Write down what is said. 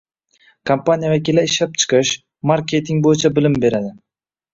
Kompaniya vakillari ishlab chiqish, marketing bo'yicha bilim beradi.